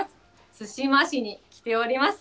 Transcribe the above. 対馬市に来ております。